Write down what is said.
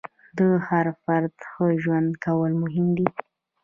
د هر فرد ښه ژوند کول مهم دي.